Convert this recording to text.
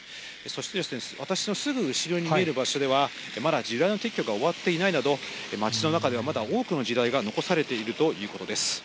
そして、私のすぐ後ろに見える場所では、まだ地雷の撤去が終わっていないなど、町の中ではまだ多くの地雷が残されているということです。